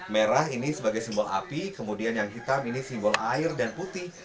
merah ini sebagai simbol api kemudian yang hitam ini simbol air dan putih